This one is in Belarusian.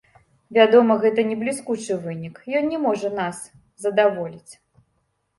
Вядома, гэта не бліскучы вынік, ён не можа нас задаволіць.